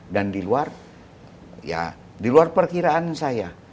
dan di luar perkiraan saya